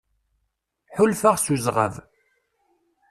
Ḥulfaɣ s uzɣab.